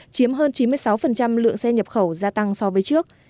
chiếm hơn chín mươi sáu lượng xe nhập khẩu gia tăng so với trước